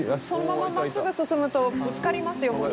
そのまままっすぐ進むとぶつかりますよ